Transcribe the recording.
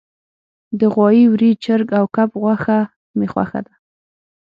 د غوایی، وری، چرګ او کب غوښه می خوښه ده